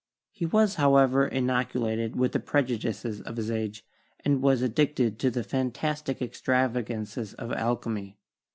He was, however, inoculated with the prejudices of his age, and was addicted to the fantastic extravagances of alchemy.